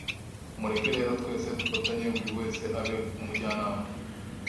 mureke rero twese dufatanye buri wese abe umujyanama